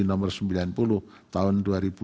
nomor sembilan puluh tahun dua ribu dua puluh